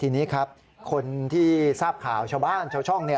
ทีนี้ครับคนที่ทราบข่าวชาวบ้านชาวช่อง